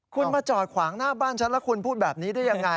คุณมาจอดขวางหน้าบ้านฉันแล้วคุณพูดแบบนี้ได้ยังไง